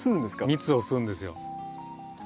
蜜を吸うんですよ。